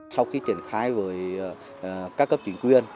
sau khi triển khai với các cấp chính quyền